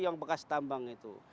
yang bekas tambang itu